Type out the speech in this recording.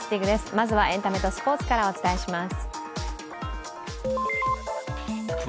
まずはエンタメとスポーツからお伝えします。